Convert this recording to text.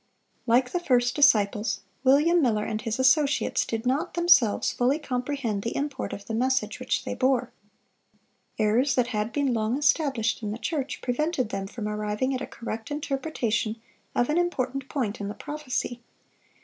Like the first disciples, William Miller and his associates did not, themselves, fully comprehend the import of the message which they bore. Errors that had been long established in the church prevented them from arriving at a correct interpretation of an important point in the prophecy.